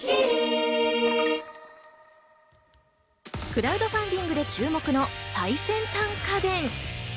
クラウドファンディングで注目の最先端家電。